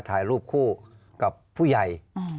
ถ่ายรูปคู่กับผู้ใหญ่